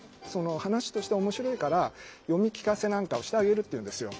「話として面白いから読み聞かせなんかをしてあげる」って言うんですよ。